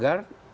kayak pres itu